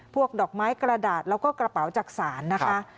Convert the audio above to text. ดอกไม้กระดาษแล้วก็กระเป๋าจักษานนะคะ